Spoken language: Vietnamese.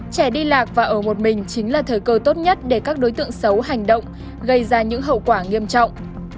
trẻ đi lạc và ở một mình chính là thời cơ tốt nhất để các đối tượng xấu hành động gây ra những hậu quả nghiêm trọng